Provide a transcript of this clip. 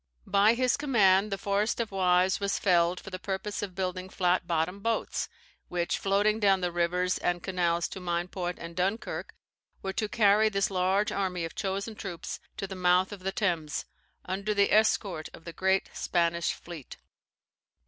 By his command, the forest of Waes was felled for the purpose of building flat bottomed boats, which, floating down the rivers and canals to Meinport and Dunkerque, were to carry this large army of chosen troops to the mouth of the Thames, under the escort of the great Spanish fleet.